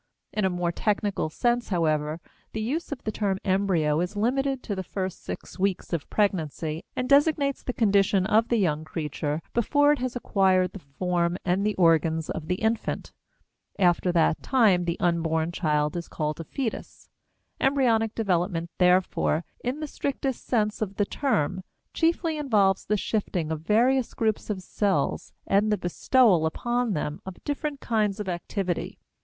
In a more technical sense, however, the use of the term embryo is limited to the first six weeks of pregnancy and designates the condition of the young creature before it has acquired the form and the organs of the infant; after that time the unborn child is called a fetus. Embryonic development, therefore, in the strictest sense of the term, chiefly involves the shifting of various groups of cells and the bestowal upon them of different kinds of activity.